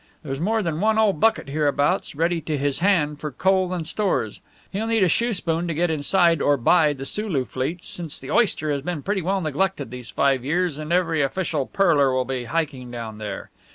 There's more than one old bucket hereabouts ready to his hand for coal and stores. He'll need a shoe spoon to get inside or by the Sulu fleets, since the oyster has been pretty well neglected these five years, and every official pearler will be hiking down there.